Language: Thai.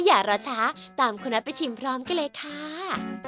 อย่ารอช้าตามคุณน็อตไปชิมพร้อมกันเลยค่ะ